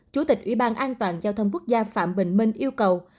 chủ tịch ủy ban an toàn giao thông quốc gia phạm bình minh yêu cầu